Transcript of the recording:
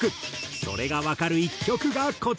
それがわかる１曲がこちら。